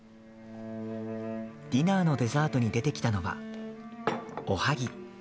ディナーのデザートに出てきたのは、おはぎ。